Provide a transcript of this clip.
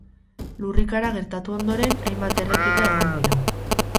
Lurrikara gertatu ondoren hainbat erreplika egon dira.